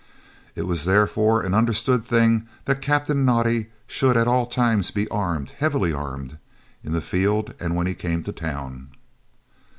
It was therefore an understood thing that Captain Naudé should at all times be armed, heavily armed, in the field and when he came to town.